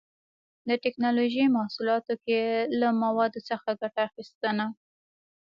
د ټېکنالوجۍ محصولاتو کې له موادو څخه ګټه اخیستنه